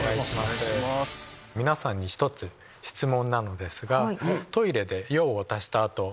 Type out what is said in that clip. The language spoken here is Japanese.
皆さんに１つ質問なのですが。